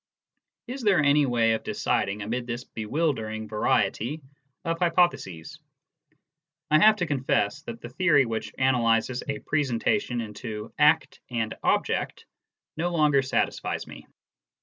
Is there any way of deciding amid this bewildering variety of hypotheses ? I have to confess that the theory which analyses a presentation into act and object no longer satisfies me.